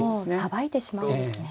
さばいてしまうんですね。